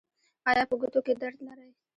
ایا په ګوتو کې درد لرئ؟